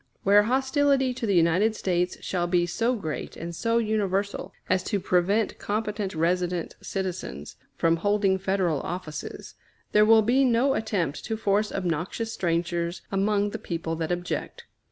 Where hostility to the United States shall be so great and so universal as to prevent competent resident citizens from holding Federal offices, there will be no attempt to force obnoxious strangers among the people that object.